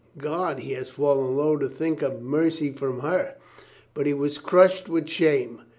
God, he was fallen low to think of mercy from her! But he was crushed with shame.